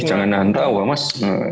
eh jangan nantau mas